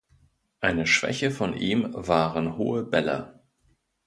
Eine Schwäche von ihm waren hohe Bälle.